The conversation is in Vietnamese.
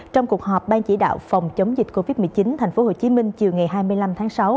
trong cuộc họp ban chỉ đạo phòng chống dịch covid một mươi chín tp hcm chiều ngày hai mươi năm tháng sáu